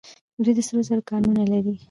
دوی د سرو زرو کانونه لري.